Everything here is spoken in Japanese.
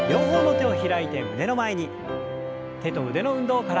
手と腕の運動から。